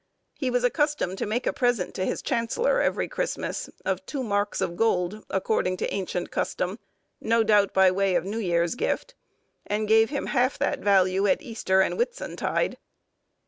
He was accustomed to make a present to his chancellor, every Christmas, of two marks of gold, according to ancient custom, no doubt by way of New Year's gift, and gave him half that value at Easter and Whitsuntide.